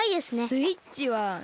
「スイッチはない」。